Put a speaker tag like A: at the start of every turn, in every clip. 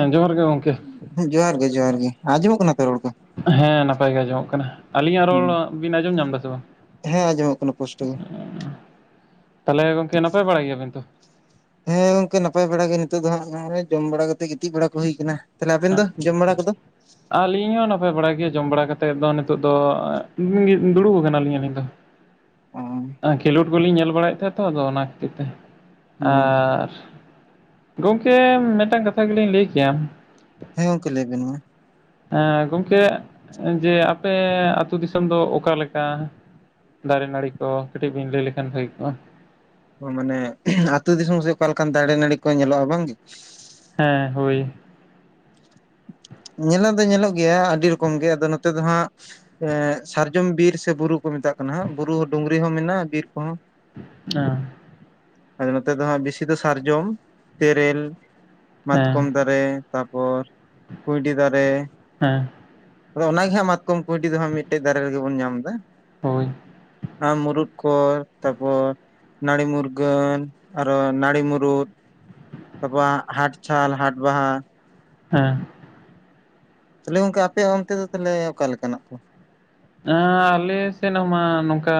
A: ᱮᱸ ᱡᱚᱦᱟᱨ ᱜᱮ ᱜᱚᱝᱠᱮ᱾
B: ᱮ ᱡᱚᱦᱟᱨ ᱜᱮ ᱡᱚᱦᱟᱨ ᱜᱮ ᱟᱸᱡᱚᱢᱚᱜ ᱠᱟᱱᱟ ᱛᱚ ᱨᱲᱲ ᱠᱚ᱾
A: ᱦᱮᱸ ᱱᱟᱯᱟᱭ ᱜᱮ ᱟᱸᱡᱚᱢᱚᱜ ᱠᱟᱱᱟ ᱟᱞᱤᱧᱟᱜ ᱨᱚᱲ ᱵᱤᱱ ᱟᱸᱡᱚᱢ ᱧᱟᱢ ᱫᱟ ᱥᱮ ᱵᱟ?
B: ᱦᱮᱸ ᱮᱸᱚᱢᱚᱜ ᱠᱟᱱᱟ ᱯᱩᱥᱴᱟᱹᱣ ᱜᱮ᱾
A: ᱮᱸ ᱛᱟᱞᱦᱮ ᱜᱚᱝᱠᱮ ᱱᱟᱯᱟᱭ ᱵᱟᱲᱟᱭ ᱜᱮᱭᱟ ᱵᱮᱱ ᱛᱚ?
B: ᱦᱮᱸ ᱜᱚᱝᱠᱮ ᱱᱟᱯᱟᱭ ᱵᱟᱲᱟ ᱜᱮ ᱱᱤᱛᱚᱜ ᱫᱚ ᱦᱟᱸᱜ ᱱᱚᱜ-ᱚᱸᱭ ᱡᱚᱢ ᱵᱟᱲᱟ ᱠᱟᱛᱮᱜ ᱜᱤᱛᱤᱡ ᱵᱟᱲᱟ ᱠᱚ ᱦᱩᱭ ᱠᱟᱱᱟ᱾ ᱛᱟᱦᱚᱞᱮ ᱟᱵᱮᱱ ᱫᱚ ᱡᱚᱢ ᱵᱟᱲᱟ ᱠᱩᱫᱚ?
A: ᱟᱞᱤᱧ ᱦᱚᱸ ᱱᱟᱯᱟᱭ ᱵᱟᱲᱟ ᱜᱮ ᱡᱚᱢ ᱵᱟᱲᱟ ᱠᱟᱛᱮᱜ ᱫᱚ ᱱᱤᱛᱚᱜ ᱫᱚ ᱮᱸᱜ ᱜᱤ ᱫᱩᱲᱩᱵ ᱟᱠᱟᱱᱟ ᱞᱤᱧ ᱟᱹᱞᱤᱧ ᱫᱚ᱾
B: ᱚᱸᱻ᱾
A: ᱟᱸ ᱠᱷᱮᱞᱳᱰ ᱠᱩᱞᱤᱧ ᱧᱮᱞ ᱵᱟᱲᱟᱭᱮᱫ ᱛᱟᱦᱮᱸᱜ ᱛᱚ ᱟᱫᱚ ᱚᱱᱟ ᱠᱷᱟᱹᱛᱤᱨ ᱛᱮ ᱟᱨᱼᱼ ᱜᱚᱝᱠᱮ ᱢᱤᱫᱴᱟᱝ ᱠᱟᱛᱷᱟ ᱜᱮᱞᱤᱧ ᱞᱟᱹᱭ ᱠᱮᱭᱟᱼᱼ
B: ᱦᱮᱸ ᱜᱚᱝᱠᱮ ᱞᱟᱹᱭ ᱵᱮᱱ ᱢᱟ᱾
A: ᱦᱮᱸ ᱜᱚᱢᱠᱮ ᱮᱸ ᱡᱮ ᱟᱯᱮ ᱟᱛᱩ ᱫᱤᱥᱚᱢ ᱫᱚ ᱚᱠᱟ ᱞᱮᱠᱟ? ᱫᱟᱨᱮ ᱱᱟᱹᱲᱤ ᱠᱚ ᱠᱟᱹᱴᱤᱡ ᱵᱤᱱ ᱞᱟᱹᱭ ᱞᱮᱠᱷᱟᱱ ᱦᱩᱭ ᱠᱚᱜ-ᱟ?
B: ᱚᱻ ᱢᱟᱱᱮ ᱟᱛᱩ ᱫᱤᱥᱚᱢ ᱥᱮ ᱚᱠᱟ ᱞᱮᱠᱟᱱ ᱫᱟᱲᱮ ᱱᱟᱹᱲᱤ ᱠᱚ ᱧᱮᱞᱚᱜ-ᱟ ᱵᱟᱝᱜᱮᱼᱼ
A: ᱦᱮᱸ ᱦᱳᱭ᱾
B: ᱧᱮᱞᱚᱜ ᱫᱚ ᱧᱮᱞᱚᱜ ᱜᱮᱭᱟ ᱟᱹᱰᱤ ᱨᱚᱠᱚᱢ ᱜᱮ ᱟᱫᱚ ᱱᱚᱛᱮ ᱫᱚ ᱦᱟᱸᱜᱼᱼ ᱮᱸᱜ ᱥᱟᱨᱡᱚᱢ ᱵᱤᱨ ᱥᱮ ᱵᱩᱨᱩ ᱠᱚ ᱢᱤᱛᱟᱜ ᱠᱟᱱᱟ ᱦᱟᱸᱜ ᱵᱩᱨᱩ ᱰᱩᱝᱨᱤ ᱦᱚᱸ ᱢᱤᱱᱟᱜ-ᱟ ᱵᱤᱨ ᱠᱩᱦᱚᱸ᱾
A: ᱦᱟᱸ᱾
B: ᱟᱫᱚ ᱱᱚᱛᱮ ᱫᱚ ᱦᱟᱸᱜ ᱵᱤᱥᱤ ᱫᱚ ᱥᱟᱨᱡᱚᱢ ᱛᱮᱨᱮᱞᱼᱼ
A: ᱦᱮᱸ
B: ᱢᱟᱛᱠᱚᱢ ᱫᱟᱨᱮ ᱛᱟᱨᱯᱚᱨ ᱠᱩᱸᱭᱰᱤ ᱫᱟᱨᱮ᱾
A: ᱦᱮᱸ᱾
B: ᱟᱫᱚ ᱚᱱᱟ ᱜᱮ ᱦᱟᱸᱜ ᱢᱟᱛᱠᱚᱢ ᱠᱩᱸᱭᱰᱤ ᱫᱚ ᱦᱟᱸᱜ ᱢᱤᱫᱴᱮᱡ ᱫᱟᱨᱮ ᱨᱮᱜᱮ ᱵᱚᱱ ᱧᱟᱢ ᱫᱟ᱾
A: ᱦᱳᱭ᱾
B: ᱟᱸ ᱢᱩᱨᱩᱠ ᱠᱚ ᱛᱟᱨᱯᱚᱨᱼᱼ ᱱᱟᱲᱤ ᱢᱩᱨᱜᱟᱹᱱ ᱟᱨᱚ ᱱᱟᱲᱤ ᱢᱩᱨᱩᱫᱼᱼ ᱥᱟᱜᱽᱣᱟᱜ ᱦᱟᱴ ᱪᱷᱟᱞ ᱦᱟᱴ ᱵᱟᱦᱟ᱾
A: ᱦᱮᱸ᱾
B: ᱛᱟᱦᱚᱞᱮ ᱜᱚᱝᱠᱮ ᱟᱯᱮ ‌ᱚᱱᱛᱮ ᱫᱚ ᱛᱟᱦᱚᱞᱮ ᱚᱠᱟ ᱞᱮᱠᱟ ᱱᱟᱜ ᱠᱚ?
A: ᱟᱸᱻ ᱟᱞᱮ ᱥᱮᱱ ᱦᱚᱸ ᱢᱟ ᱱᱚᱝᱠᱟ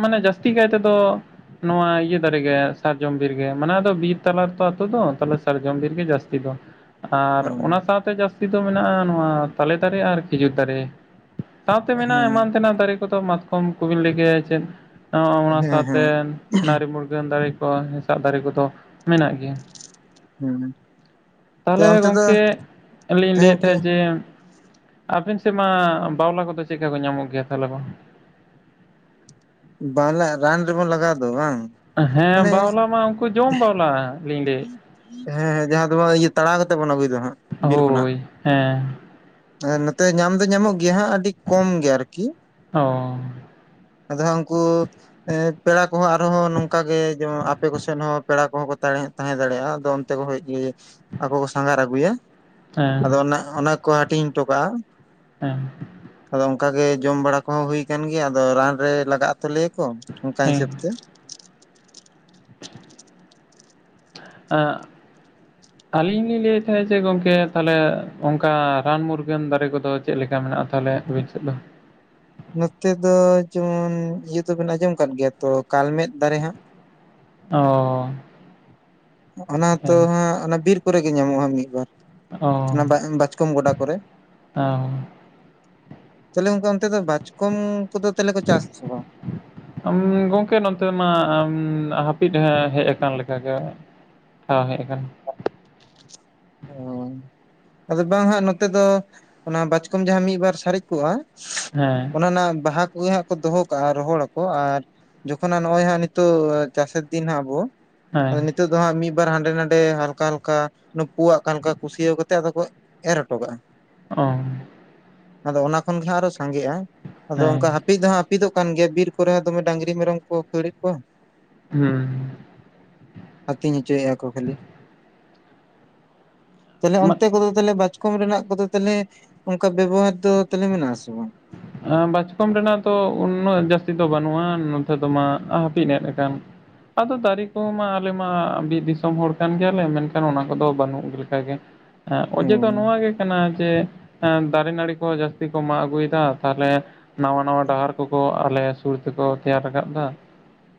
A: ᱢᱟᱱᱮ ᱡᱟᱹᱥᱛᱤ ᱠᱟᱭ ᱛᱮᱫᱚᱼᱼ ᱱᱚᱣᱟ ᱤᱭᱟᱹ ᱫᱟᱨᱮ ᱜᱮ ᱥᱟᱨᱡᱚᱢ ᱵᱤᱨ ᱜᱮ ᱢᱟᱱᱮ ᱟᱫᱚ ᱵᱤᱨ ᱛᱟᱞᱟ ᱨᱮᱛᱚ ᱟᱛᱩ ᱫᱚ ᱛᱟᱦᱚᱞᱮᱼᱼ ᱥᱟᱨᱡᱚᱢ ᱵᱤᱨ ᱜᱮ ᱡᱟᱹᱥᱛᱤ ᱫᱚ᱾ ᱟᱨ ᱚᱱᱟ ᱥᱟᱶᱛᱮ ᱡᱟᱥᱛᱤ ᱫᱚ ᱢᱮᱱᱟᱜ-ᱟ ᱱᱚᱣᱟ ᱛᱟᱞᱮ ᱫᱟᱨᱮ ᱟᱨ ᱠᱷᱤᱡᱩᱨ ᱫᱟᱨᱮ᱾ ᱥᱟᱶᱛᱮ
B: ᱦᱮᱸ
A: ᱢᱮᱱᱟᱜᱼᱟ ᱮᱢᱟᱱ ᱛᱮᱱᱟᱜ ᱫᱟᱨᱮ ᱠᱚᱫᱚ ᱢᱟᱛᱠᱚᱢ ᱠᱚᱵᱤᱱ ᱞᱟᱹᱭ ᱠᱮᱭᱟ ᱪᱮᱫ [unintelligible] ᱚᱱᱟ
B: ᱦᱮᱸ ᱦᱮᱸ
A: ᱥᱟᱶᱛᱮ ᱱᱟᱲᱤ ᱢᱩᱨᱜᱟᱹᱱ ᱫᱟᱨᱮ ᱠᱚ ᱦᱮᱸᱥᱟᱜ ᱫᱟᱨᱮ ᱠᱚᱫᱚ ᱢᱮᱱᱟᱜ ᱜᱮᱭᱟ
B: [unintelligible] ᱛᱚ
A: ᱛᱟᱦᱚᱞᱮ
B: ᱚᱱᱛᱮ ᱫᱚ
A: ᱜᱚᱢᱠᱮ ᱟᱹᱞᱤᱧ
B: ᱦᱮᱸ
A: ᱞᱟᱹᱭᱮᱫ
B: ᱜᱚᱝᱠᱮ
A: ᱛᱟᱦᱮᱸᱜ ᱡᱮ ᱟᱵᱮᱱ ᱥᱮᱫ ᱢᱟ ᱵᱟᱣᱞᱟ ᱠᱚᱫᱚ ᱪᱮᱫᱠᱟ ᱠᱚ ᱧᱟᱢᱚᱜ ᱜᱮᱭᱟ ᱛᱟᱦᱚᱞᱮ ᱵᱟᱝ
B: ᱵᱟᱣᱞᱟ ᱨᱟᱱ ᱨᱮᱵᱚᱱ ᱞᱟᱜᱟᱣ ᱫᱚ ᱵᱟᱝ
A: ᱦᱮᱸ
B: ᱢᱟᱱᱮ
A: ᱵᱟᱣᱞᱟ ᱢᱟ ᱩᱱᱠᱩ ᱡᱚᱢ ᱵᱟᱣᱞᱟ ᱞᱤᱧ ᱞᱟᱹᱭᱮᱫᱼᱟ
B: ᱦᱮᱸ ᱦᱮᱸ ᱡᱟᱦᱟᱸ ᱫᱚ ᱤᱭᱟᱹ ᱛᱟᱲᱟᱣ ᱠᱟᱛᱮᱫ ᱵᱚᱱ ᱟᱹᱜᱩᱭ ᱫᱚ ᱦᱟᱸᱜ ᱵᱤᱨ ᱠᱷᱚᱱᱟᱜ
A: ᱦᱳᱭ ᱦᱮᱸ
B: ᱟᱨ ᱱᱚᱛᱮ ᱧᱟᱢ ᱫᱚ ᱧᱟᱢᱚᱜ ᱜᱮᱭᱟ ᱦᱟᱸᱜ ᱟᱹᱰᱤ ᱠᱚᱢ ᱜᱮ ᱟᱨᱠᱤ
A: ᱚ
B: ᱟᱫᱚᱦᱟᱜ ᱩᱱᱠᱩ ᱯᱮᱲᱟ ᱠᱚᱦᱚᱸ ᱟᱨᱦᱚᱸ ᱱᱚᱝᱠᱟ ᱜᱮ ᱡᱮᱢᱚᱱ ᱟᱯᱮ ᱠᱚᱥᱮᱫ ᱦᱚᱸ ᱯᱮᱲᱟ ᱠᱚᱦᱚᱸ ᱠᱚ ᱛᱟᱦᱮᱸᱫ ᱛᱟᱦᱮᱸ ᱫᱟᱲᱮᱭᱟᱜᱼᱟ [unintelligible] ᱟᱠᱚ ᱠᱚ ᱥᱟᱸᱜᱷᱟᱨ ᱟᱹᱜᱩᱭᱟ
A: ᱦᱮᱸ
B: ᱟᱫᱚ ᱚᱱᱟ ᱚᱱᱟ ᱠᱚ ᱦᱴᱤᱧ ᱴᱚᱠᱟᱜᱼᱟ
A: ᱦᱮᱸ
B: ᱟᱫᱚ ᱚᱱᱠᱟ ᱜᱮ ᱡᱚᱢ ᱵᱟᱲᱟ ᱠᱚᱦᱚᱸ ᱦᱩᱭ ᱟᱠᱟᱱ ᱜᱮᱭᱟ ᱟᱫᱚ ᱨᱟᱱ ᱨᱮ ᱞᱟᱜᱟ ᱟᱛᱚ ᱞᱮᱭᱟᱠᱚ ᱚᱱᱠᱟ
A: ᱦᱮᱸ
B: ᱦᱤᱥᱟᱹᱵ ᱛᱮ
A: ᱮᱜ ᱟᱹᱞᱤᱧ ᱞᱤᱧ ᱞᱟᱹᱭᱮᱫ ᱛᱟᱦᱮᱸᱫ ᱡᱮ ᱜᱚᱝᱠᱮ ᱛᱟᱦᱚᱞᱮ ᱚᱱᱠᱟ ᱨᱟᱱ ᱢᱩᱨᱜᱟᱹᱱ ᱫᱟᱨᱮ ᱠᱚᱫᱚ ᱪᱮᱫ ᱞᱮᱠᱟ ᱢᱮᱱᱟᱜᱼᱟ ᱛᱟᱦᱚᱞᱮ ᱟᱵᱤᱱ ᱥᱮᱫ ᱫᱚ
B: ᱱᱚᱛᱮ ᱫᱚ ᱡᱮᱢᱚᱱ ᱤᱭᱟᱹ ᱫᱚᱵᱮᱱ ᱟᱸᱡᱚᱢ ᱟᱠᱟᱫ ᱜᱮᱭᱟ ᱛᱚ ᱠᱟᱞᱢᱮᱫ ᱫᱟᱨᱮ ᱦᱟᱜ
A: ᱚ
B: ᱚᱱᱟ ᱛᱚ
A: ᱦᱮᱸ
B: ᱦᱟᱸᱜ ᱚᱱᱟ ᱵᱤᱨ ᱠᱚᱨᱮ ᱜᱮ ᱧᱟᱢᱚᱜᱼᱟ ᱢᱤᱫᱵᱟᱨ
A: ᱚ
B: ᱚᱱᱟ [inaudible] ᱵᱟᱪᱠᱚᱢ ᱜᱚᱰᱟ ᱠᱚᱨᱮ
A: ᱚ
B: ᱛᱟᱦᱚᱞᱮ ᱜᱚᱝᱠᱮ ᱚᱱᱛᱮ ᱫᱚ ᱵᱟᱪᱠᱚᱢ ᱠᱚᱫᱚ ᱛᱮᱟᱦᱞᱮ ᱠᱚ ᱪᱟᱥ ᱟᱥᱮ ᱵᱟᱝ?
A: [unintelligible] ᱜᱚᱝᱠᱮ ᱱᱚᱛᱮ ᱢᱟ ᱦᱟᱹᱯᱤᱫ ᱦᱮᱜ ᱟᱠᱟᱱ ᱞᱮᱠᱟᱜᱮ᱾ ᱦᱚᱸ ᱦᱮᱜ ᱟᱠᱟᱱᱟ
B: [inaudible] ᱟᱫᱚ ᱵᱟᱝ ᱦᱟᱸᱜ ᱱᱚᱛᱮ ᱫᱚ ᱚᱱᱟ ᱵᱟᱪᱠᱚᱢ ᱡᱟᱦᱟᱸ ᱢᱤᱫᱵᱟᱨ ᱥᱟᱨᱮᱡ ᱠᱚᱜᱼᱟ,
A: [unintelligible]
B: ᱚᱱᱟ ᱵᱟᱦᱟ ᱠᱚᱜᱮ ᱦᱟᱸᱜ ᱠᱚ ᱫᱚᱦᱚ ᱠᱟᱜᱼᱟ ᱨᱚᱦᱚᱲ ᱟᱠᱚ ᱟᱨ ᱡᱚᱠᱷᱚᱱ ᱦᱟᱸ ᱱᱚᱜᱼᱚᱜ ᱦᱟᱸᱜ ᱱᱤᱛᱚᱜ ᱪᱟᱥᱮᱨ ᱫᱤᱱ ᱟᱵᱚ,
A: ᱦᱮᱸ
B: [unintelligible] ᱱᱤᱛᱚᱜ ᱫᱚ ᱦᱟᱸᱜ ᱢᱤᱫᱵᱟᱨ ᱦᱟᱸᱰᱮ ᱱᱷᱟᱸᱰᱮ ᱦᱟᱞᱠᱟ ᱦᱟᱞᱠᱟ [unintelligible] [unintelligible] ᱠᱟᱱᱠᱚ ᱠᱩᱥᱭᱟᱹᱣ ᱠᱟᱛᱮᱫ ᱟᱫᱚ ᱠᱚ ᱮᱨ ᱦᱚᱴᱚ ᱠᱟᱜᱼᱟ᱾
A: [unintelligible]
B: ᱟᱫᱚ ᱚᱱᱟ ᱠᱷᱚᱱ ᱜᱮ ᱦᱟᱸᱜ ᱟᱨ ᱦᱚᱸ ᱥᱟᱸᱜᱮᱜᱼᱟ ᱟᱫᱚ
A: ᱦᱮᱸ
B: ᱚᱱᱠᱟ? ᱯᱤᱜ ᱫᱚ ᱦᱟᱸᱜ ᱦᱟᱹᱯᱤᱫᱚᱜ ᱠᱟᱱ ᱜᱮᱭᱟ ᱵᱤᱨ ᱠᱚᱨᱮ ᱦᱚᱸ ᱫᱚᱢᱮ ᱰᱟᱝᱨᱤ ᱢᱮᱨᱚᱢ ᱠᱚ ᱠᱷᱟᱹᱲᱮᱜ ᱠᱚᱣᱟ᱾
A: ᱦᱩᱸ
B: ᱟᱛᱤᱧ ᱦᱚᱪᱚᱭᱮᱜᱼᱟ ᱠᱚ ᱠᱷᱟᱹᱞᱤ, ᱛᱟᱦᱞᱮ ᱚᱱᱛᱮ ᱠᱚᱫᱚ ᱛᱟᱞᱦᱮ ᱵᱟᱪᱠᱚᱢ ᱨᱮᱱᱟᱜ ᱠᱚᱫᱚ ᱛᱟᱞᱦᱮ ᱚᱱᱠᱟ ᱵᱮᱵᱚᱦᱟᱨ ᱫᱚ ᱛᱟᱞᱦᱮ ᱢᱮᱱᱟᱜ ᱟᱥᱮ ᱵᱟᱝᱼᱟ?
A: [unintelligible] ᱵᱟᱪᱠᱚᱢ ᱨᱮᱱᱟᱜ ᱫᱚ ᱩᱱᱟᱹᱜ ᱡᱟᱹᱥᱛᱤ ᱫᱚ ᱵᱟᱹᱱᱩᱜᱼᱟ ᱱᱚᱛᱮ ᱫᱚ ᱢᱟ ᱦᱟᱹᱯᱤᱫ ᱮᱜ ᱠᱟᱱ᱾ ᱟᱫᱚ ᱫᱟᱨᱤ ᱠᱚᱢᱟ ᱟᱞᱮ ᱢᱟ ᱵᱤᱨ ᱫᱤᱥᱚᱢ ᱦᱚᱲ ᱠᱟᱱ ᱜᱮᱭᱟᱞᱮ ᱢᱮᱱᱠᱷᱟᱱ ᱚᱱᱟ ᱠᱚᱫᱚ ᱵᱟᱹᱱᱩᱜ ᱞᱮᱠᱟᱜ ᱜᱮ᱾ ᱦᱮᱸ ᱚᱡᱮ ᱫᱚ ᱱᱚᱣᱟ ᱜᱮ ᱠᱟᱱᱟ ᱡᱮ ᱫᱟᱨᱮ ᱱᱟᱹᱲᱤ ᱠᱚ ᱡᱟᱹᱥᱛᱤ ᱠᱚ ᱢᱟᱜ ᱟᱹᱜᱩᱭᱮᱫᱼᱟ [unintelligible] ᱛᱟᱦᱚᱞᱮ ᱱᱟᱣᱟ ᱱᱟᱣᱟ ᱰᱟᱦᱟᱨ ᱠᱚᱠᱚ ᱟᱞᱮ ᱥᱩᱨ ᱛᱮᱠᱚ ᱛᱮᱭᱟᱨ ᱨᱟᱠᱟᱜᱫᱼᱟ᱾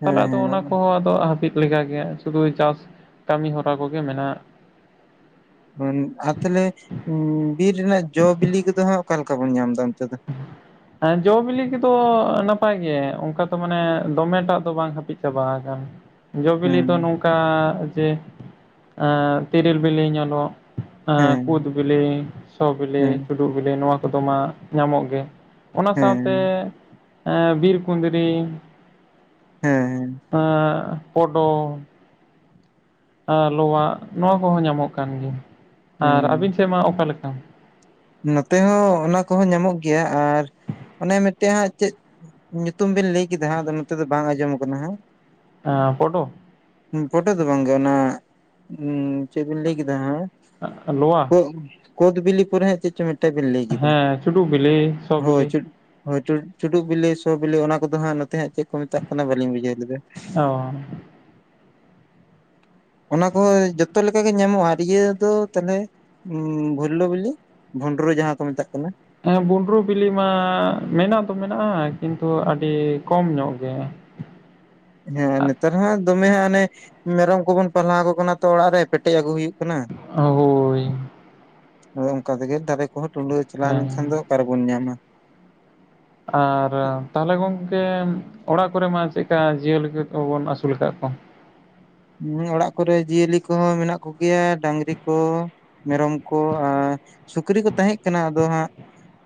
B: ᱦᱮᱸ
A: ᱛᱟᱦᱞᱮ ᱟᱫᱚ
B: ᱦᱮᱸ
A: ᱚᱱᱟ ᱠᱚᱦᱚᱸ ᱟᱫᱚ ᱦᱟᱹᱯᱤᱫ ᱞᱮᱠᱟᱜᱮ ᱥᱩᱫᱩ ᱪᱟᱥ ᱠᱟᱹᱢᱤ ᱦᱚᱨᱟ ᱠᱚᱜᱮ ᱢᱮᱱᱟᱜ᱾
B: [unintelligible] ᱟᱨ ᱛᱟᱦᱞᱮ ᱵᱤᱨ ᱨᱮᱱᱟᱜ ᱡᱚ ᱵᱤᱞᱤ ᱠᱚᱫᱚ ᱦᱟᱸᱜ ᱚᱠᱟᱞᱮᱠᱟ ᱵᱚᱱ ᱧᱟᱢᱮᱫᱼᱟ ᱚᱱᱛᱮ ᱫᱚ? [inaudible]
A: ᱮᱸ ᱡᱚ ᱵᱤᱞᱤ ᱠᱚᱫᱚ ᱱᱟᱯᱟᱭ ᱜᱮ ᱚᱱᱠᱟ ᱛᱚ ᱢᱟᱱᱮ ᱫᱚᱢᱮᱴᱟᱜ ᱫᱚ ᱵᱟᱝ ᱦᱟᱹᱯᱤᱫ ᱪᱟᱵᱟ ᱟᱠᱟᱱᱟ᱾ ᱡᱚᱼᱵᱤᱞᱤ
B: ᱦᱮᱸ
A: ᱫᱚ ᱱᱚᱝᱠᱟ ᱡᱮ ᱛᱤᱨᱮᱞ ᱵᱤᱞᱤ ᱧᱮᱞᱚᱜ᱾ [unintelligible]
B: ᱦᱮᱸ
A: ᱠᱩᱫ ᱵᱤᱞᱤ ᱥᱚ
B: ᱦᱮᱸ
A: ᱵᱤᱞᱤ ᱪᱩᱰᱩᱜ ᱵᱤᱞᱤ ᱱᱚᱣᱟ ᱠᱚᱫᱚ ᱢᱟ ᱧᱟᱢᱚᱜ ᱜᱮ᱾ ᱚᱱᱟ ᱥᱟᱶᱛᱮ
B: ᱦᱮᱸ
A: ᱮᱸᱜ ᱵᱤᱨ ᱠᱩᱸᱫᱽᱨᱤ᱾
B: ᱦᱮᱸ ᱦᱮᱸ
A: [unintelligible] ᱯᱚᱰᱚ [unintelligible] ᱞᱚᱣᱟᱻᱜ ᱱᱚᱣᱟ ᱠᱚᱦᱚᱸ ᱧᱟᱢᱚᱜ ᱠᱟᱱ ᱜᱮᱭᱟ ᱟᱨ
B: ᱦᱮᱸ
A: ᱟᱹᱵᱤᱱ ᱥᱮᱫ ᱢᱟ ᱚᱠᱟᱞᱮᱠᱟ?
B: ᱱᱚᱛᱮ ᱦᱚᱸ ᱚᱱᱟ ᱠᱚᱦᱚᱸ ᱧᱟᱢᱚᱜ ᱜᱮᱭᱟ ᱟᱨ ᱚᱱᱮ ᱢᱤᱫᱴᱮᱜ ᱦᱟᱸᱜ ᱪᱮᱫ? ᱧᱩᱛᱩᱢ ᱵᱤᱱ ᱞᱟᱹᱭ ᱠᱮᱫᱟ ᱦᱟᱸᱜ ᱟᱫᱚ ᱱᱚᱛᱮ ᱫᱚ ᱵᱟᱝ ᱟᱸᱡᱚᱢᱟ ᱠᱟᱱᱟ ᱦᱟᱸᱜ
A: [unintelligible] ᱯᱚᱰᱚ
B: ᱯᱚᱰᱚ ᱫᱚ ᱵᱟᱝ ᱜᱮ ᱚᱱᱟ ᱪᱮᱜ ᱵᱤᱱ ᱞᱟᱹᱭ ᱠᱮᱫᱟ ᱦᱟᱸᱜ?
A: ᱞᱳᱣᱟ
B: ᱠᱚᱫ ᱵᱤᱞᱤ ᱯᱚᱨᱮ ᱦᱟᱸᱜ ᱪᱮᱜ ᱪᱚᱝ ᱢᱤᱫᱴᱮᱜ ᱵᱤᱱ ᱞᱟᱹᱭ ᱠᱮᱫᱟ
A: ᱦᱮᱸ ᱪᱩᱰᱩᱜ ᱵᱤᱞᱤ ᱥᱚ
B: ᱦᱳᱭ
A: ᱵᱤᱞᱤ
B: ᱪᱩ [unintelligible] ᱦᱳᱭ ᱪᱩᱰᱩᱜ ᱵᱤᱞᱤ ᱥᱚ ᱵᱮᱞᱤ ᱚᱱᱟ ᱠᱚᱫᱚ ᱦᱟᱸᱜ ᱱᱚᱛᱮ ᱦᱟᱸᱜ ᱪᱮᱜ ᱠᱚ ᱢᱮᱛᱟᱜ ᱠᱟᱱᱟ ᱵᱟᱹᱞᱤᱧ ᱵᱩᱡᱷᱟᱹᱣ ᱞᱮᱫᱟ᱾
A: [unintelligible]
B: ᱚᱱᱟ ᱠᱚ ᱡᱚᱛᱚ ᱞᱮᱠᱟ ᱜᱮ ᱧᱟᱢᱚᱜᱼᱟ ᱤᱭᱟᱹ ᱫᱚ ᱛᱟᱦᱞᱮ, [inaudible] ᱵᱷᱩᱞᱞᱩ ᱵᱤᱞᱤ ᱵᱷᱩᱸᱰᱨᱩ ᱡᱟᱦᱟᱸ ᱠᱚ ᱢᱮᱛᱟᱜ ᱠᱟᱱᱟ ᱾
A: ᱮᱸ ᱵᱩᱸᱰᱨᱩ ᱵᱤᱞᱤ ᱢᱟ ᱢᱮᱱᱟᱜ ᱫᱚ ᱢᱮᱱᱟᱜᱼᱟ ᱠᱤᱱᱛᱩ ᱟᱹᱰᱤ ᱠᱚᱢ ᱧᱚᱜ ᱜᱮ᱾
B: ᱦᱮᱸ ᱱᱮᱛᱟᱨ ᱦᱟᱸᱜ ᱫᱚᱢᱮ ᱦᱟᱸᱜ ᱚᱱᱮ ᱢᱮᱨᱚᱢ ᱠᱚᱵᱚᱱ ᱯᱟᱞᱦᱟ ᱟᱠᱚ ᱠᱟᱱᱟ ᱛᱚ ᱚᱲᱟᱜ ᱨᱮ ᱯᱮᱴᱮᱜ ᱟᱹᱜᱩ ᱦᱩᱭᱩᱜ ᱠᱟᱱᱟ᱾
A: ᱦᱳᱭ
B: [unintelligible] ᱟᱫᱚ ᱚᱱᱠᱟ ᱛᱮᱜᱮ ᱫᱟᱨᱮ ᱠᱚᱦᱚᱸ ᱴᱩᱞᱟᱹ ᱪᱟᱞᱟᱣ ᱞᱮᱱᱠᱷᱟᱱ ᱫᱚ,
A: ᱦᱮᱸ
B: [unintelligible] ᱵᱚᱱ ᱧᱟᱢᱟ᱾
A: ᱟᱨ ᱛᱟᱦᱚᱞᱮ ᱜᱚᱝᱠᱮ ᱚᱲᱟᱜ ᱠᱚᱨᱮ ᱢᱟ ᱪᱮᱼᱜᱠᱟ ᱡᱤᱭᱟᱹᱞᱤ ᱠᱚᱵᱚᱱ ᱟᱹᱥᱩᱞ ᱟᱠᱟᱜ ᱠᱚᱣᱟ᱾
B: ᱦᱮᱸ ᱚᱲᱟᱜ ᱠᱚᱨᱮ ᱡᱤᱭᱟᱹᱞᱤ ᱠᱚᱦᱚᱸ ᱢᱮᱱᱟᱜ ᱠᱚᱜᱮᱭᱟ ᱰᱟᱝᱨᱤ ᱠᱚ, ᱢᱮᱨᱚᱢ ᱠᱚ ᱟᱻ ᱥᱩᱠᱨᱤ ᱠᱚ ᱛᱟᱦᱮᱸᱜ ᱠᱟᱱᱟ ᱟᱫᱚ ᱦᱟᱸᱜ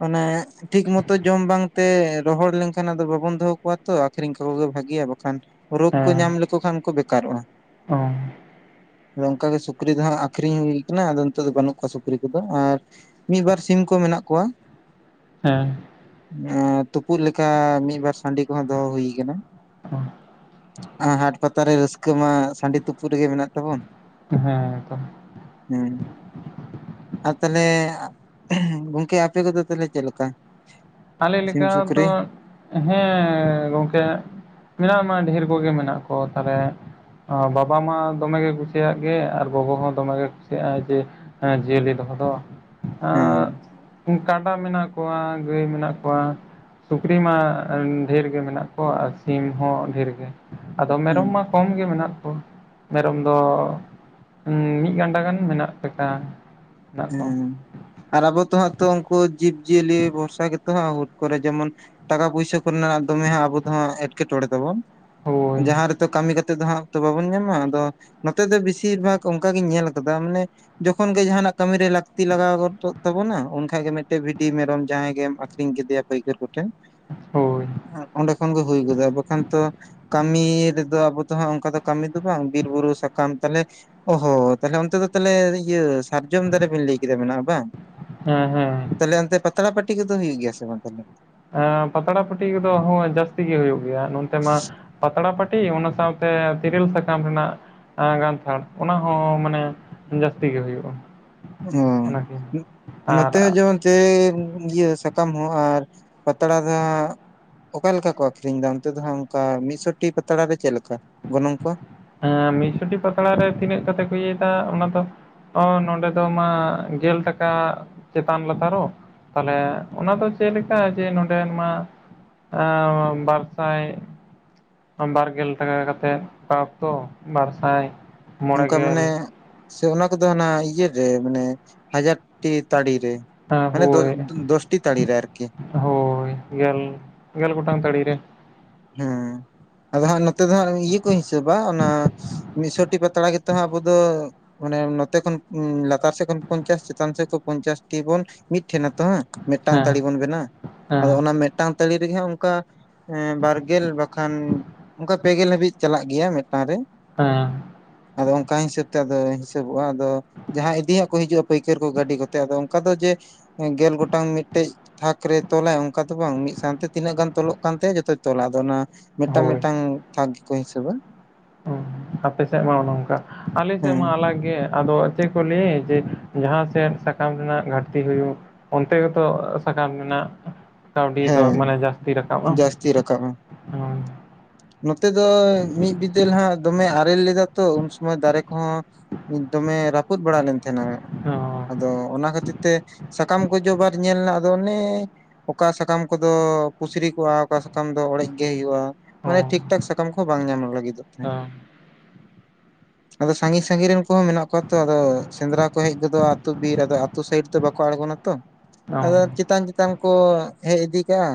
B: ᱚᱱᱮᱻ ᱴᱷᱤᱠ ᱢᱚᱛᱚ ᱡᱚᱢ ᱵᱟᱝᱛᱮ ᱨᱚᱦᱚᱲ ᱞᱮᱱᱠᱷᱟᱱ ᱵᱟᱵᱚᱱ ᱫᱚᱦᱚ ᱠᱚᱣᱟ ᱛᱚ ᱟᱠᱷᱨᱤᱧ ᱠᱚᱜᱮ ᱵᱷᱟᱜᱮᱭᱟ ᱵᱟᱠᱷᱟᱱ ᱨᱳᱜᱽ ᱠᱚ
A: ᱦᱮᱸ
B: ᱧᱟᱢ ᱞᱮᱠᱚ ᱠᱷᱟᱱ ᱠᱚ ᱵᱮᱠᱟᱨᱚᱜᱼᱟ
A: ᱚ
B: ᱚᱱᱠᱟᱜᱮ ᱥᱩᱠᱨᱤ ᱫᱚ ᱦᱟᱸᱜ ᱟᱠᱷᱨᱤᱧ ᱦᱩᱭ ᱠᱟᱱᱟ ᱟᱫᱚ ᱱᱤᱛᱚᱜ ᱫᱚ ᱵᱟᱹᱱᱩᱜ ᱠᱚᱣᱟ ᱥᱩᱠᱨᱤ ᱠᱚᱫᱚ ᱟᱨ ᱢᱤᱫ ᱵᱟᱨ ᱥᱤᱢ ᱠᱚ ᱢᱮᱱᱟᱜ ᱠᱚᱣᱟ
A: ᱦᱮᱸ
B: ᱛᱩᱯᱩᱜ ᱞᱮᱠᱟ ᱢᱤᱫᱵᱟᱨ ᱥᱟᱺᱰᱤ ᱫᱚᱦᱚ ᱦᱩᱭ ᱟᱠᱟᱱᱟ
A: ᱚ
B: ᱦᱟᱴ ᱯᱟᱛᱟᱨ ᱨᱮ ᱨᱟᱹᱥᱠᱟᱹ ᱢᱟ ᱥᱟᱺᱰᱤ ᱛᱩᱯᱩᱫ ᱨᱮᱜᱮ ᱢᱮᱱᱟᱜ ᱛᱟᱵᱚᱱ
A: ᱦᱮᱸ ᱛᱚ
B: ᱦᱮᱸ ᱟᱨ ᱛᱟᱦᱚᱞᱮ ᱜᱚᱢᱠᱮ ᱟᱯᱮ ᱠᱚᱫᱚ ᱛᱟᱦᱞᱮ ᱪᱮᱫ ᱞᱮᱠᱟ
A: ᱟᱞᱮ
B: ᱥᱤᱢ
A: ᱞᱮᱠᱟ
B: ᱥᱩᱠᱨᱤ
A: ᱛᱦᱮᱸ ᱜᱚᱝᱠᱮ ᱢᱮᱱᱟᱜ ᱢᱟ ᱰᱷᱮᱨ ᱠᱚᱜᱮ ᱢᱮᱱᱟᱜ ᱠᱚ ᱛᱟᱞᱦᱮ ᱵᱟᱵᱟ ᱢᱟ ᱫᱚᱢᱮ ᱜᱮ ᱠᱩᱥᱤᱭᱟᱜ ᱜᱮ ᱟᱨ ᱜᱚᱜᱚ ᱦᱚᱸ ᱫᱚᱢᱮ ᱜᱮ ᱠᱩᱥᱤᱭᱟᱜᱟᱭ ᱡᱮ ᱡᱤᱭᱟᱹᱞᱤ ᱫᱚᱦᱚ ᱫᱚ
B: ᱦᱮᱸ
A: ᱠᱟᱰᱟ ᱢᱮᱱᱟᱜ ᱠᱚᱣᱟ ᱜᱟᱹᱭ ᱢᱮᱱᱟᱜ ᱠᱚᱣᱟ ᱥᱩᱠᱨᱤ ᱢᱟ ᱰᱷᱮᱨ ᱜᱮ ᱢᱮᱱᱟᱜ ᱠᱚᱣᱟ ᱟᱨ ᱥᱤᱢ ᱦᱚᱸ ᱰᱷᱮᱨ ᱜᱮ ᱟᱫᱚ ᱢᱮᱨᱚᱢ
B: ᱦᱮᱸ
A: ᱢᱟ ᱠᱚᱢ ᱜᱮ ᱢᱮᱱᱟᱜ ᱠᱚᱣᱟ ᱢᱮᱨᱚᱢ ᱫᱚ ᱢᱤᱫ ᱜᱟᱱᱰᱟ ᱜᱟᱱ ᱢᱮᱱᱟᱜ ᱞᱮᱠᱟ ᱢᱮᱱᱟᱜ ᱠᱚᱣᱟ
B: ᱦᱮᱸ ᱟᱨ ᱟᱵᱚ ᱛᱚᱦᱟᱜ ᱛᱚ ᱩᱱᱠᱩ ᱡᱤᱵ ᱡᱤᱭᱟᱹᱞᱤ ᱵᱷᱚᱨᱥᱟ ᱜᱮᱛᱚ ᱦᱟᱸᱜ ᱦᱩᱴ ᱠᱚᱨᱮ ᱡᱮᱢᱚᱱ ᱴᱟᱠᱟ ᱯᱚᱭᱥᱟ ᱨᱮᱱᱟᱜ ᱫᱚᱢᱮ ᱦᱟᱜ ᱟᱵᱚ ᱫᱚ ᱮᱴᱠᱮᱴᱚᱬᱮ ᱛᱟᱵᱚᱱ
A: ᱦᱳᱭ
B: ᱡᱟᱦᱟᱸ ᱨᱮᱛᱚ ᱛᱚ ᱵᱟᱵᱚᱱ ᱧᱟᱢᱟ ᱟᱫᱚ ᱱᱚᱛᱮ ᱫᱚ ᱵᱤᱥᱤᱨ ᱵᱷᱟᱜᱽ ᱚᱱᱠᱟᱜᱤᱧ ᱧᱮᱞ ᱟᱠᱟᱫᱟ ᱢᱟᱱᱮ ᱡᱚᱠᱷᱚᱱ ᱜᱮ ᱡᱟᱦᱟᱱᱟᱜ ᱠᱟᱹᱢᱤ ᱨᱮ ᱞᱟᱹᱠᱛᱤ ᱞᱟᱜᱟᱣ ᱜᱚᱫᱚᱜ ᱛᱟᱵᱚᱱᱟ ᱩᱱᱠᱷᱟᱡ ᱜᱮ ᱢᱤᱫᱴᱮᱡ ᱵᱷᱤᱰᱤ ᱢᱮᱨᱚᱢ ᱡᱟᱦᱟᱸᱭ ᱜᱮᱢ ᱟᱠᱷᱨᱤᱧ ᱠᱮᱫᱮᱭᱟ ᱯᱟᱹᱭᱠᱟᱹᱨ ᱠᱚᱴᱷᱮᱱ
A: ᱦᱳᱭ
B: ᱚᱸᱰᱮ ᱠᱷᱚᱱ ᱜᱮ ᱦᱩᱭ ᱜᱚᱫᱚᱜ-ᱟ ᱵᱟᱠᱷᱟᱱ ᱛᱚ ᱠᱟᱹᱢᱤ ᱟᱵᱚ ᱫᱚ ᱚᱱᱠᱟ ᱫᱚ ᱠᱟᱹᱢᱤ ᱫᱚ ᱵᱟᱝ ᱵᱤᱨᱵᱩᱨᱩ ᱥᱟᱠᱟᱢ ᱛᱟᱞᱦᱮ ᱚ ᱦᱚᱸ ᱛᱟᱦᱞᱮ ᱚᱱᱛᱮ ᱫᱚ ᱛᱟᱦᱚᱞᱮ ᱤᱭᱟᱹ ᱡᱚᱢ ᱫᱟᱨᱮ ᱵᱮᱱ ᱞᱟᱹᱭ ᱠᱮᱫᱟ ᱢᱮᱱᱟᱜᱼᱟ ᱵᱟᱝ
A: ᱦᱮᱸ ᱦᱮᱸ
B: ᱛᱟᱞᱦᱮ ᱚᱱᱛᱮ ᱯᱟᱛᱲᱟ ᱯᱟᱹᱴᱤ ᱠᱚᱫᱚ ᱦᱩᱭᱩᱜ ᱜᱮᱭᱟ ᱥᱮ ᱵᱟᱝ ᱛᱟᱞᱦᱮ
A: ᱯᱟᱛᱲᱟ ᱯᱟᱹᱴᱤ ᱠᱚᱫᱚ ᱦᱚᱭ ᱡᱟᱹᱥᱛᱤ ᱜᱮ ᱦᱩᱭᱩᱜ ᱜᱮᱭᱟ ᱱᱚᱱᱛᱮ ᱢᱟ ᱯᱟᱛᱲᱟ ᱯᱟᱹᱴᱤ ᱛᱤ ᱚᱱᱟ ᱥᱟᱶᱛᱮ ᱛᱤᱨᱤᱞ ᱥᱟᱠᱟᱢ ᱨᱮᱱᱟᱜ ᱮ ᱜᱟᱱᱛᱷᱟᱲ ᱚᱱᱟ ᱦᱚᱸ ᱢᱟᱱᱮ ᱡᱟᱹᱥᱛᱤ ᱜᱮ ᱦᱩᱭᱩᱜᱼᱟ ᱚᱱᱟᱠᱤᱱ
B: ᱚ [inaudible] ᱱᱚᱛᱮ
A: ᱟᱨ
B: ᱦᱚᱸ ᱡᱮᱢᱚᱱ [inaudible] ᱤᱭᱟᱹ ᱥᱟᱠᱟᱢ ᱦᱚᱸ ᱦᱟᱸᱜ ᱟᱨ ᱯᱟᱛᱲᱟ ᱫᱚ ᱦᱟᱸᱜ ᱚᱠᱟ ᱞᱮᱠᱟ ᱠᱚ ᱟᱠᱷᱨᱤᱧ ᱫᱟ ᱚᱱᱛᱮ ᱫᱚ ᱦᱟᱸᱜ ᱚᱱᱠᱟ ᱢᱤᱫᱥᱚᱴᱤ ᱯᱟᱛᱲᱟ ᱨᱮ ᱪᱮᱫ ᱞᱮᱠᱟ ᱜᱚᱱᱚᱝ ᱠᱚ
A: ᱦᱮᱸ ᱢᱤᱜᱥᱩᱴᱤ ᱯᱟᱛᱲᱟ ᱨᱮ ᱛᱤᱱᱟᱹᱜ ᱠᱟᱛᱮ ᱠᱚ ᱤᱭᱟᱹᱟᱭ ᱫᱟ ᱚᱱᱟ ᱫᱚ ᱚ ᱱᱚᱰᱮ ᱫᱚ ᱢᱟ ᱜᱮᱞ ᱴᱟᱠᱟ ᱪᱮᱛᱟᱱ ᱞᱟᱛᱟᱨᱚᱜ ᱛᱟᱞᱦᱮ ᱚᱱᱟ ᱫᱚ ᱪᱮᱫ ᱞᱮᱠᱟ ᱡᱮ ᱱᱚᱰᱮ ᱢᱟ [inaudible] ᱵᱟᱨ ᱥᱟᱭ ᱵᱟᱨᱜᱮᱞ ᱴᱟᱠᱟ ᱠᱟᱛᱮᱫ ᱛᱚ ᱵᱟᱨᱥᱟᱭ ᱢᱚᱬᱮ
B: ᱚᱱᱠᱟ
A: ᱜᱮᱞ
B: ᱢᱟᱱᱮ ᱥᱮ ᱚᱱᱟ ᱠᱚᱫᱚ ᱦᱟᱱᱟ ᱤᱭᱟᱹ ᱨᱮ ᱢᱟᱱᱮ ᱦᱟᱡᱟᱨ ᱴᱤ ᱛᱟᱲᱤ ᱨᱮ ᱢᱟᱱᱮ ᱫᱳᱥᱴᱤ ᱛᱟᱲᱤ ᱨᱮ ᱟᱨᱠᱤ
A: ᱦᱳᱭ ᱜᱮᱞ ᱜᱮᱞ ᱜᱚᱴᱟᱝ ᱛᱟᱲᱤ ᱨᱮ
B: ᱦᱮᱸ ᱟᱫᱚ ᱦᱟᱸᱜ ᱱᱚᱛᱮ ᱫᱚ ᱦᱟᱸᱜ ᱤᱭᱟᱹ ᱠᱚ ᱦᱤᱥᱟᱹᱵᱟ ᱚᱱᱟ ᱢᱤᱫᱥᱚᱴᱤ ᱯᱟᱛᱲᱟ ᱜᱮᱛᱚ ᱦᱟᱸᱜ ᱟᱵᱚ ᱫᱚ ᱢᱟᱱᱮ ᱱᱚᱛᱮ ᱠᱷᱚᱱ ᱞᱟᱛᱟᱨ ᱥᱮᱫ ᱠᱷᱚᱱ ᱯᱚᱧᱪᱟᱥ ᱪᱮᱛᱟᱱ ᱥᱮᱫ ᱠᱷᱚᱱ ᱯᱚᱧᱪᱟᱥ ᱴᱤ ᱵᱚᱱ ᱢᱤᱫᱴᱷᱮᱱ ᱟᱛᱚ ᱦᱟᱸᱜ ᱢᱮᱫᱴᱟᱝ ᱛᱟᱲᱤ
A: ᱦᱮᱸ
B: ᱵᱚᱱ ᱵᱮᱱᱟ ᱟᱫᱚ
A: ᱦᱮᱸ
B: ᱚᱱᱟ ᱢᱮᱫᱴᱟᱝ ᱛᱟᱲᱤ ᱨᱮᱜᱮ ᱦᱟᱸᱜ ᱚᱱᱠᱟ ᱮᱸ ᱵᱟᱨ [inaudible] ᱵᱟᱠᱷᱟᱱ ᱚᱱᱠᱟ ᱯᱮᱜᱮᱞ ᱦᱟᱹᱵᱤᱡ ᱪᱟᱞᱟᱜ ᱜᱮᱭᱟ ᱢᱮᱫᱴᱟᱝ ᱨᱮ
A: ᱦᱮᱸ
B: ᱟᱫᱚ ᱚᱱᱠᱟ ᱦᱤᱥᱟᱹᱵ ᱛᱮ ᱟᱫᱚ ᱦᱤᱥᱟᱹᱵᱚᱜᱼᱟ ᱟᱫᱚ ᱡᱟᱦᱟᱸ ᱤᱫᱤᱟᱜ ᱠᱚ ᱦᱤᱡᱩᱜᱼᱟ ᱯᱟᱹᱭᱠᱟᱹᱨ ᱠᱚ ᱜᱟᱹᱰᱤ ᱠᱚᱛᱮ ᱟᱫᱚ ᱚᱱᱠᱟ ᱫᱚ ᱡᱮ ᱜᱮᱞ ᱜᱚᱴᱟᱝ ᱢᱤᱫᱴᱮᱡ ᱛᱷᱟᱠ ᱨᱮᱭ ᱛᱚᱞᱟᱭ ᱚᱱᱠᱟ ᱛᱚ ᱵᱟᱝ ᱢᱤᱫ ᱥᱟᱶᱛᱮ ᱛᱤᱱᱟᱹᱜ ᱜᱟᱱ ᱛᱚᱞᱚᱜ ᱠᱟᱱ ᱛᱟᱭᱟ ᱡᱚᱛᱚᱭ ᱛᱚᱞᱟ ᱟᱫᱚ ᱚᱱᱟ ᱢᱤᱫᱴᱟᱝ
A: ᱦᱳᱭ
B: ᱢᱤᱫᱴᱟᱝ ᱛᱷᱟᱠ ᱜᱮᱠᱚ ᱦᱤᱥᱟᱹᱵᱟ
A: ᱚ ᱟᱯᱮ ᱥᱮᱜ ᱢᱟ ᱚᱱᱚ ᱚᱝᱠᱟ ᱟᱞᱮ ᱥᱮᱜ
B: ᱦᱮᱸ
A: ᱢᱟ ᱟᱞᱟᱜ ᱜᱮ ᱟᱫᱚ ᱪᱮᱫ ᱠᱚ ᱞᱟᱹᱭ ᱡᱮ ᱡᱟᱦᱟᱸ ᱥᱮᱫ ᱥᱟᱠᱟᱢ ᱨᱮᱱᱟᱜ ᱜᱷᱟᱴᱛᱤ ᱦᱩᱭᱩᱜ ᱚᱱᱛᱮ ᱜᱮᱛᱚ ᱥᱟᱠᱟᱢ ᱨᱮᱱᱟᱜ ᱠᱟᱹᱣᱰᱤ ᱫᱚ ᱢᱟᱱᱮ ᱡᱟᱹᱥᱛᱤ ᱨᱟᱠᱟᱵ ᱟ
B: ᱛᱤ ᱨᱟᱠᱟᱵ ᱟ ᱱᱚᱛᱮ ᱫᱚ ᱢᱤᱫ ᱵᱤᱫᱟᱹᱞ ᱦᱟᱸᱜ ᱫᱚᱢᱮ ᱟᱨᱮᱞ ᱞᱮᱫᱟ ᱛᱚ ᱩᱱ ᱥᱚᱢᱚᱭ ᱫᱟᱨᱮ ᱠᱚᱦᱚᱸ ᱢᱤᱫ ᱫᱚᱢᱮ ᱨᱟ ᱯᱩᱫ ᱵᱟᱲᱟ ᱞᱮᱱ ᱛᱟᱦᱮᱸᱱᱟ
A: ᱦᱚᱸ
B: ᱟᱫᱚ ᱚᱱᱟ ᱠᱷᱟᱹᱛᱤᱨ ᱛᱮ ᱥᱟᱠᱟᱢ ᱠᱚ ᱡᱚ ᱵᱟᱨ ᱧᱮᱞ ᱱᱟ ᱫᱚ ᱚᱱᱮ ᱚᱠᱟ ᱥᱟᱠᱟᱢ ᱠᱚᱫᱚ ᱯᱩᱥᱨᱤ ᱠᱚᱜ-ᱟ ᱚᱠᱟ ᱥᱟᱠᱟᱢ ᱫᱚ ᱚᱲᱮᱡ ᱜᱮ ᱦᱩᱭᱩᱜ-ᱟ ᱢᱟᱱᱮ ᱴᱷᱤᱠ ᱴᱷᱟᱠ ᱥᱟᱠᱟᱢ ᱠᱚᱦᱚ ᱵᱟᱝ ᱧᱟᱢ ᱞᱟᱹᱜᱤᱫᱚᱜ ᱛᱟᱦᱮᱸᱫ
A: ᱦᱚᱸ
B: ᱟᱫᱚ ᱥᱟᱸᱜᱤᱧ ᱥᱟᱸᱜᱤᱧ ᱨᱮᱱ ᱠᱚᱦᱚᱸ ᱢᱮᱱᱟᱜ ᱠᱚᱣᱟ ᱛᱚ ᱟᱫᱚ ᱥᱮᱸᱫᱽᱨᱟ ᱠᱚ ᱦᱮᱡ ᱜᱚᱫᱚᱜ-ᱟ ᱟᱹᱛᱩ ᱵᱤᱨ ᱟᱫᱚ ᱟᱹᱛᱩ ᱥᱟᱭᱤᱰ ᱛᱚ ᱵᱟᱠᱚ ᱟᱲᱜᱚᱱ ᱟᱛᱚ
A: ᱦᱚᱸ
B: ᱟᱫᱚ ᱪᱮᱛᱟᱱ ᱪᱮᱛᱟᱱ ᱠᱚ ᱦᱮᱡ ᱤᱫᱤ ᱠᱟᱜ-ᱟ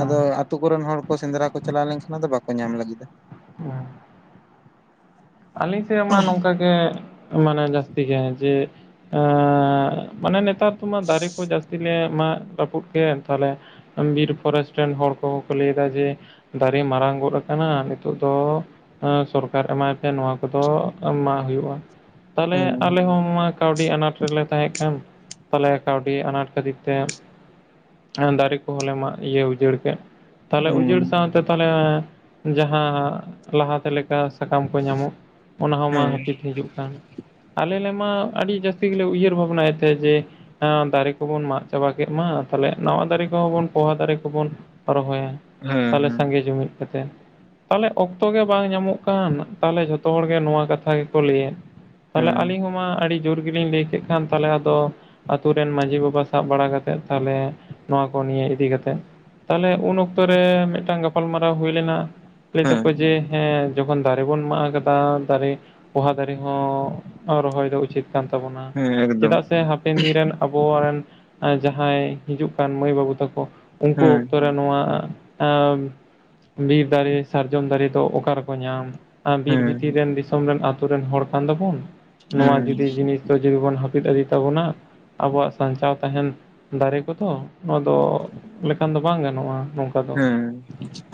B: ᱟᱫᱚ ᱟᱹᱛᱩ ᱠᱚᱨᱮᱱ ᱦᱚᱲ ᱠᱚ ᱥᱮᱸᱫᱽᱨᱟ ᱠᱚ ᱪᱟᱞᱟᱣ ᱞᱮᱱᱠᱷᱟᱱ ᱟᱫᱚ ᱵᱟᱠᱚ ᱧᱟᱢ ᱞᱟᱹᱜᱤᱫᱟ
A: ᱵᱟᱝ ᱟᱹᱞᱤᱧ ᱥᱮᱜ ᱢᱟ ᱱᱚᱝᱠᱟᱜ ᱜᱮ ᱢᱟᱱᱮ ᱡᱟᱹᱥᱛᱤ ᱜᱮ ᱡᱮ ᱮᱜ ᱢᱟᱱᱮ ᱱᱮᱛᱟᱨ ᱫᱚᱢᱟ ᱫᱟᱨᱮ ᱠᱚ ᱡᱟᱹᱥᱛᱤ ᱞᱮ ᱢᱟᱜ ᱨᱟᱹᱯᱩᱫ ᱠᱮᱫ ᱛᱟᱞᱦᱮ ᱵᱤᱨ ᱯᱷᱚᱨᱮᱥᱴ ᱨᱮᱱ ᱦᱚᱲ ᱠᱚᱦᱚᱸ ᱠᱚ ᱞᱟᱹᱭ ᱫᱟ ᱡᱮ ᱫᱟᱨᱮ ᱢᱟᱨᱟᱝ ᱜᱚᱫ ᱠᱟᱱᱟ ᱱᱤᱛᱳᱜ ᱫᱚ ᱮᱸ ᱥᱚᱨᱠᱟᱨ ᱮᱢᱟᱭ ᱥᱮ ᱱᱚᱣᱟ ᱠᱚᱫᱚ ᱢᱟᱜ ᱦᱩᱭᱩᱜ-ᱟ ᱛᱟᱦᱞᱮ
B: ᱦᱮᱸ
A: ᱟᱞᱮ ᱦᱚᱸᱱᱚ ᱠᱟᱹᱣᱰᱤ ᱟᱱᱟᱴ ᱨᱮᱞᱮ ᱛᱟᱦᱮᱸᱜ ᱠᱟᱱ ᱛᱟᱦᱞᱮ ᱠᱟᱹᱣᱰᱤ ᱟᱱᱟᱴ ᱠᱷᱟᱹᱛᱤᱨ ᱛᱮ ᱮ ᱫᱟᱨᱮ ᱠᱚᱦᱚᱸ ᱞᱮ ᱤᱭᱟᱹ ᱩᱡᱟᱹᱲ ᱠᱮᱫ ᱛᱟᱦᱞᱮ ᱩᱡᱟᱹᱲ
B: ᱦᱮᱸ
A: ᱥᱟᱶᱛᱮ ᱛᱟᱦᱞᱮ ᱡᱟᱦᱟᱸ ᱞᱟᱦᱟᱛᱮ ᱞᱮᱠᱟ ᱥᱟᱠᱟᱢ ᱠᱚ ᱧᱟᱢᱚᱜ ᱚᱱᱟ ᱦᱚᱸ ᱢᱟ
B: ᱦᱮᱸ
A: ᱦᱟᱹᱯᱤᱫ ᱦᱤᱡᱩᱜ ᱠᱟᱱ ᱟᱞᱮ ᱞᱮ ᱢᱟ ᱟᱹᱰᱤ ᱡᱟᱹᱥᱛᱤ ᱜᱮᱞᱮ ᱩᱭᱦᱟᱹᱨ ᱵᱷᱟᱵᱽᱱᱟᱭᱮᱫ ᱛᱟᱦᱮᱸᱫ ᱡᱮ ᱮᱸ ᱫᱟᱨᱮ ᱠᱚᱵᱚᱱ ᱢᱟᱜ ᱪᱟᱵᱟ ᱠᱮᱜ ᱢᱟ ᱛᱷᱟᱞᱮ ᱱᱟᱣᱟ ᱫᱟᱨᱮ ᱠᱚᱦᱚᱸ ᱵᱚᱱ ᱯᱚᱦᱟ ᱫᱟᱨᱮ ᱠᱚᱵᱚᱱ ᱨᱚᱦᱚᱭᱟ
B: ᱦᱮᱸ
A: ᱛᱟᱦᱞᱮ
B: ᱦᱮᱸ
A: ᱥᱟᱸᱜᱮ ᱡᱩᱢᱤᱫ ᱠᱟᱛᱮᱫ ᱛᱟᱦᱞᱮ ᱚᱠᱛᱚ ᱜᱮ ᱵᱟᱝ ᱧᱟᱢᱚᱜ ᱠᱟᱱ ᱛᱟᱦᱚᱞᱮ ᱡᱷᱚᱛᱚ ᱦᱚᱲᱜᱮ ᱱᱚᱣᱟ ᱠᱟᱛᱷᱟ ᱜᱮᱠᱚ ᱞᱟᱹᱭᱮᱫ ᱛᱟᱦᱚᱞᱮ
B: ᱦᱮᱸ
A: ᱟᱹᱞᱤᱧ ᱦᱚᱸᱢᱟ ᱟᱹᱰᱤ ᱡᱩᱨ ᱜᱮᱞᱤᱧ ᱞᱟᱹᱭ ᱠᱮᱫ ᱠᱷᱟᱱ ᱛᱷᱟᱞᱮ ᱟᱫᱚ ᱟᱛᱳ ᱨᱮᱱ ᱢᱟᱺᱡᱷᱤ ᱵᱟᱵᱟ ᱥᱟᱵ ᱵᱟᱲᱟ ᱠᱟᱛᱮᱫ ᱛᱟᱦᱞᱮ ᱱᱚᱣᱟ ᱠᱚ ᱱᱤᱭᱟᱹ ᱤᱫᱤ ᱠᱟᱛᱮᱫ ᱛᱟᱦᱞᱮ ᱩᱱ ᱚᱠᱛᱚ ᱢᱤᱫᱴᱟᱱ ᱜᱟᱯᱟᱞᱢᱟᱨᱟᱣ ᱦᱩᱭ ᱞᱮᱱᱟ ᱞᱟᱹᱭ
B: ᱦᱮᱸ
A: ᱫᱟᱠᱚ ᱡᱮ ᱦᱮ ᱡᱚᱠᱷᱚᱱ ᱫᱟᱨᱮ ᱫᱟᱨᱮ ᱵᱚᱱ ᱢᱟᱜ ᱠᱟᱫᱟ ᱫᱟᱨᱮ ᱯᱚᱦᱟ ᱫᱟᱨᱮ ᱦᱚ ᱨᱚᱦᱚᱭ ᱫᱚ ᱩᱪᱤᱛ ᱠᱟᱱ ᱛᱟᱵᱚᱱᱟ
B: ᱦᱮᱸ ᱮᱠᱫᱚᱢ
A: ᱪᱮᱫᱟᱜ ᱥᱮ ᱦᱟᱯᱮᱱ ᱫᱤᱱ ᱨᱮᱱ ᱟᱵᱚ ᱨᱮᱱ ᱡᱟᱦᱟᱸᱭ ᱦᱤᱡᱩᱜ ᱠᱟᱱ ᱢᱟᱹᱭ ᱵᱟᱹᱵᱩ ᱛᱟᱠᱚ ᱩᱱᱠᱩ
B: ᱦᱮᱸ
A: ᱚᱠᱛᱚ ᱨᱮ ᱱᱚᱣᱟ ᱵᱤᱨ ᱫᱟᱨᱮ ᱥᱟᱨᱡᱚᱢ ᱫᱟᱨᱮ ᱫᱚ ᱚᱠᱟ ᱨᱮᱠᱚ ᱧᱟᱢ ᱵᱤᱨ
B: ᱦᱮᱸ
A: ᱵᱷᱤᱛᱤᱨ ᱨᱮᱱ ᱫᱤᱥᱚᱢ ᱨᱮᱱ ᱟᱛᱳ ᱨᱮᱱ ᱦᱚᱲ ᱠᱟᱱ ᱫᱚᱵᱚᱱ ᱱᱚᱣᱟ
B: ᱦᱮᱸ
A: ᱡᱩᱫᱤ ᱡᱤᱱᱤᱥ ᱛᱚ ᱡᱤᱣᱤ ᱵᱚᱱ ᱦᱟᱹᱯᱤᱫ ᱤᱫᱤ ᱛᱟᱵᱚᱱᱟ ᱟᱵᱚᱣᱟᱜ ᱥᱟᱧᱪᱟᱣ ᱛᱟᱦᱮᱱ ᱫᱟᱨᱮ ᱠᱚᱛᱚ ᱱᱚᱣᱟ ᱫᱚ ᱞᱮᱠᱟᱱ ᱫᱚ ᱵᱟᱝ ᱜᱟᱱᱚᱜ-ᱟ ᱱᱚᱝᱠᱟ ᱫᱚ
B: ᱦᱮ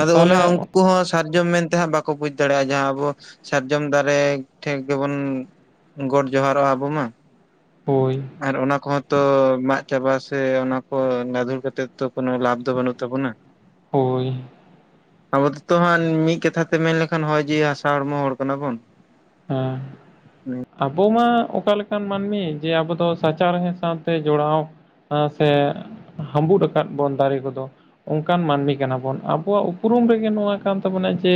B: ᱟᱫᱚ ᱚᱱᱟ
A: ᱛᱟᱦᱚᱞᱮ
B: ᱩᱱᱠᱩ ᱦᱚ ᱥᱟᱨᱡᱚᱢ ᱢᱮᱱᱛᱮ ᱦᱟᱸᱜ ᱵᱟᱠᱚ ᱵᱩᱡ ᱫᱟᱲᱮᱜ-ᱟ ᱡᱟᱦᱟᱸ ᱟᱵᱚ ᱥᱟᱨᱡᱚᱢ ᱫᱟᱨᱮ ᱴᱷᱮᱜ ᱜᱮᱵᱚᱱ ᱜᱚᱴ ᱡᱚᱦᱟᱨᱚᱜ-ᱟ ᱵᱚ ᱢᱟ
A: ᱦᱳᱭ
B: ᱟᱨ ᱚᱱᱟ ᱠᱚᱦᱚ ᱛᱚ ᱢᱟᱜ ᱪᱟᱵᱟ ᱥᱮ ᱚᱱᱟ ᱠᱚ ᱞᱟᱹᱫᱷᱩᱨ ᱠᱟᱛᱮᱜ ᱛᱚ ᱠᱚᱱᱚ ᱞᱟᱵᱷ ᱛᱚ ᱵᱟᱹᱱᱩᱜ ᱛᱟᱵᱚᱱᱟ
A: ᱦᱳᱭ
B: ᱟᱵᱚ ᱫᱚᱛᱚ ᱦᱟᱜ ᱢᱤᱫ ᱠᱟᱛᱷᱟ ᱛᱮ ᱢᱮᱱ ᱞᱮᱠᱷᱟᱱ ᱱᱚᱜ-ᱚᱭ ᱡᱮ ᱦᱟᱥᱟ ᱦᱚᱲᱢᱚ ᱦᱚᱲ ᱠᱟᱱᱟᱵᱚᱱ
A: ᱦᱮᱸ ᱟᱵᱚ ᱢᱟ ᱚᱠᱟ ᱞᱮᱠᱟᱱ ᱢᱟᱹᱱᱢᱤ ᱡᱮ ᱟᱵᱚ ᱫᱚ ᱥᱟᱪᱟᱨᱦᱮᱫ ᱥᱟᱶᱛᱮ ᱡᱚᱲᱟᱣ ᱦᱮᱥᱮ ᱦᱟᱸᱵᱩᱫ ᱟᱠᱟᱫ ᱵᱚᱱ ᱫᱟᱨᱮ ᱠᱚᱫᱚ ᱚᱱᱠᱟᱱ ᱢᱟᱹᱱᱢᱤ ᱠᱟᱱᱟ ᱵᱚᱱ ᱟᱵᱚᱣᱟᱜ ᱩᱯᱨᱩᱢ ᱨᱮᱜᱮ ᱱᱚᱣᱟ ᱠᱟᱱ ᱛᱟᱵᱚᱱᱟ ᱡᱮ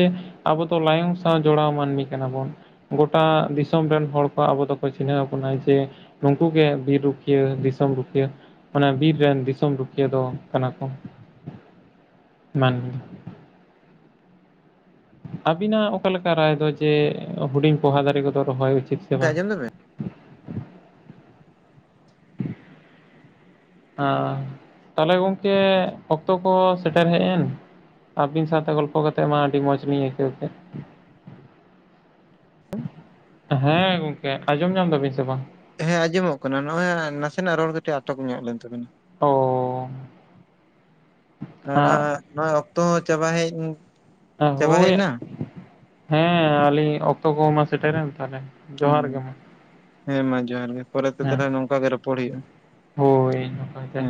A: ᱟᱵᱚ ᱫᱚ ᱞᱟᱭᱚᱝ ᱥᱟᱶ ᱡᱚᱲᱟᱣ ᱢᱟᱹᱱᱢᱤ ᱠᱟᱱᱟ ᱵᱚᱱ ᱜᱚᱴᱟ ᱫᱤᱥᱚᱢ ᱨᱮᱱ ᱦᱚᱲ ᱠᱚ ᱟᱵᱚ ᱫᱚᱠᱚ ᱪᱤᱱᱦᱟᱹᱣ ᱵᱚᱱᱟ ᱡᱮ ᱱᱩᱠᱩ ᱜᱮ ᱵᱤᱨ ᱨᱩᱠᱷᱤᱭᱟᱹ ᱫᱤᱥᱚᱢ ᱨᱩᱠᱷᱤᱭᱟᱹ ᱚᱱᱟ ᱵᱤᱨ ᱨᱮᱱ ᱫᱤᱥᱚᱢ ᱨᱩᱠᱷᱭᱤᱭᱟᱹ ᱫᱚ ᱠᱟᱱᱟ ᱠᱚ ᱢᱟᱹᱱᱢᱤ᱾ ᱟᱹᱵᱤᱱᱟᱜ ᱚᱠᱟ ᱞᱮᱠᱟ ᱨᱟᱭ ᱫᱚ ᱡᱮ ᱦᱩᱰᱤᱧ ᱯᱚᱦᱟ ᱫᱟᱨᱮ ᱠᱚᱫᱚ ᱨᱚᱦᱚᱭ ᱩᱪᱤᱛ᱾ ᱥᱮ
B: ᱜᱚᱝᱠᱮ
A: ᱵᱟᱝ
B: ᱟᱡᱚᱢ ᱫᱟᱵᱤᱱ᱾
A: ᱦᱟᱸ ᱛᱟᱦᱚᱞᱮ ᱜᱚᱢᱠᱮ ᱚᱠᱛᱚ ᱠᱚ ᱥᱮᱴᱮᱨ ᱦᱮᱡ ᱮᱱ᱾ ᱟᱹᱵᱤᱱ ᱥᱟᱶᱛᱮ ᱜᱚᱞᱯᱚ ᱠᱟᱛᱮᱜ ᱢᱟ ᱟᱹᱰᱤ ᱢᱚᱸᱡᱽ ᱞᱤᱧ ᱟᱹᱭᱠᱟᱹᱣ ᱠᱮᱫ᱾
B: [inaudible]
A: ᱦᱮᱸ ᱜᱚᱝᱠᱮ ᱟᱸᱡᱚᱢ ᱧᱟᱢ ᱫᱟᱵᱤᱱ ᱥᱮ ᱵᱟᱝ?
B: ᱦᱮᱸ ᱟᱸᱡᱚᱢᱚᱜ ᱠᱟᱱᱟ ᱱᱚᱜ-ᱚᱭ ᱱᱟᱥᱮᱱᱟᱜ ᱨᱚᱲ ᱠᱟᱹᱴᱤᱡ ᱟᱴᱚᱠ ᱧᱚᱜ ᱞᱮᱱ ᱛᱟᱵᱮᱱᱟ᱾
A: ᱳ
B: ᱟᱨ ᱦᱟᱜ
A: ᱦᱟᱸᱜ
B: ᱱᱚᱣᱟ ᱚᱠᱛᱚ ᱦᱚ ᱪᱟᱵᱟ ᱦᱮᱡ᱾ ᱪᱟᱵᱟ ᱦᱮᱡ
A: ᱦᱳᱭ
B: ᱮᱱᱟ
A: ᱦᱮᱸ ᱟᱹᱞᱤᱧ ᱚᱠᱛᱚ ᱠᱚᱦᱚ ᱢᱟ ᱥᱮᱴᱮᱨᱮᱱ ᱛᱟᱦᱚᱞᱮ᱾ ᱡᱚᱦᱟᱨ
B: ᱦᱩᱸ
A: ᱜᱮ ᱢᱟ
B: ᱦᱮᱸ ᱢᱟ ᱡᱚᱦᱟᱨ ᱜᱮ ᱯᱚᱨᱮ ᱛᱮ
A: ᱦᱮᱸ
B: ᱛᱟᱦᱚᱞᱮ ᱱᱚᱝᱠᱟ ᱜᱮ ᱨᱚᱯᱚᱲ ᱦᱩᱭᱩᱜ-ᱟ᱾
A: ᱦᱳᱭ ᱱᱟᱯᱟᱭ ᱜᱮ᱾